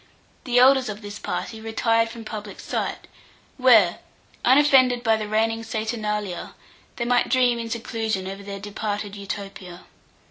The elders of this party retired from public sight, where, unoffended by the reigning saturnalia, they might dream in seclusion over their departed Utopia.